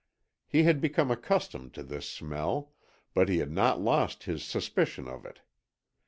He had become accustomed to this smell, but he had not lost his suspicion of it.